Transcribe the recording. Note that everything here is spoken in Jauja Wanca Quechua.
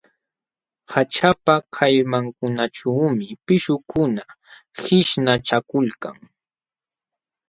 Haćhapa kallmankunaćhuumi pishqukuna qishnachakulkan.